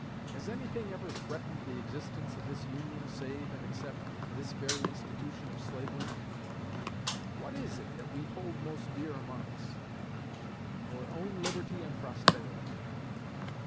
Has anything ever threatened the existence of this Union save and except this very institution of slavery? What is it that we hold most dear among us? Our own liberty and prosperity.